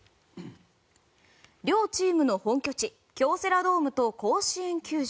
両チームの本拠地京セラドームと甲子園球場。